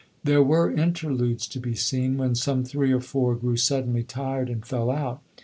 There were interludes to be seen, when some three or four grew suddenly tired and fell out.